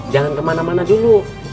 jangan kemana mana dulu